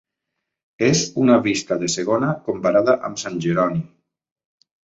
És una vista de segona comparada am Sant Jeroni.